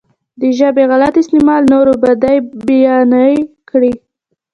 د ژبې غلط استعمال نورو بدۍ بيانې کړي.